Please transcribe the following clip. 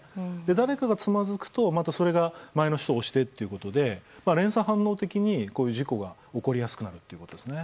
誰かがつまずくとまたそれが前の人を押してということで連鎖反応的に事故が起こりやすくなるんですね。